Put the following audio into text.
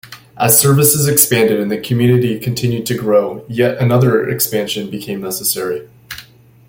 As services expanded and the community continued to grow, yet another expansion became necessary.